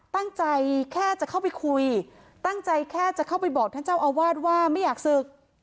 ตั้งใจแค่จะเข้าไปคุยตั้งใจแค่จะเข้าไปบอกท่านเจ้าอาวาสว่าไม่อยากศึก